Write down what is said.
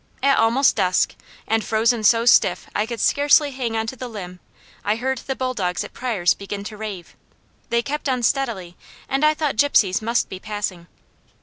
At almost dusk, and frozen so stiff I could scarcely hang to the limb, I heard the bulldogs at Pryors' begin to rave. They kept on steadily, and I thought Gypsies must be passing.